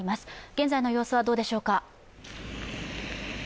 現在の様子はどうでしょうか。